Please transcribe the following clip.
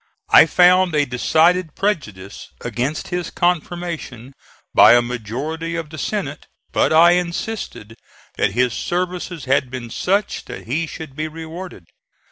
I found a decided prejudice against his confirmation by a majority of the Senate, but I insisted that his services had been such that he should be rewarded.